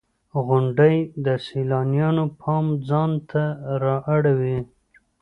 • غونډۍ د سیلانیانو پام ځان ته را اړوي.